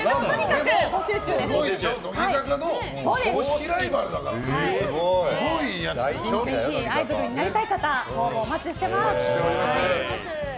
ぜひアイドルになりたい方ご応募をお待ちしています。